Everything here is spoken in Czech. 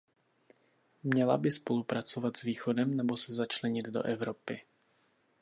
Měla by spolupracovat s východem nebo se začlenit do Evropy?